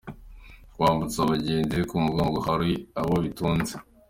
Kwambutsa abagenzi ku mugongo hari abo bitunze.